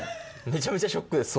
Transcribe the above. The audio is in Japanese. めちゃめちゃショックです